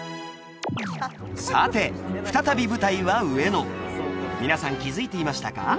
さて再び舞台は上野皆さん気づいていましたか？